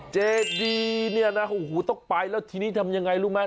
เจดีเนี่ยนะโอ้โหต้องไปแล้วทีนี้ทำยังไงรู้ไหม